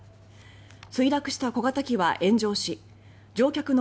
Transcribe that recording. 墜落した小型機は炎上し乗客の